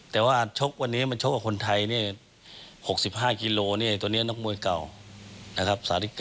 แต่ว่าชกวันนี้คุณไทย๕๕กิโลเนี่ยตัวเนี่ยน้องมวยเก่า